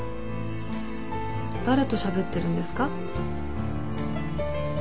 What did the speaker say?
誰としゃべってるんですか？